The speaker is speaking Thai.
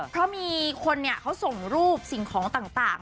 เพราะมีคนเขาส่งรูปสิ่งของต่าง